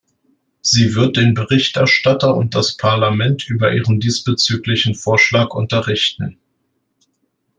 Sie wird den Berichterstatter und das Parlament über ihren diesbezüglichen Vorschlag unterrichten.